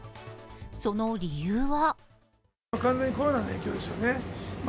その理由は。